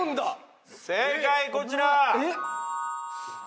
正解こちら。